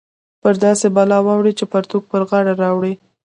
پر داسې بلا واوړې چې پرتوګ پر غاړه راوړې